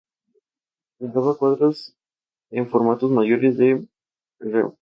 Pintaba cuadros en formatos mayores que Rembrandt, aunque se le juzga menos expresivo.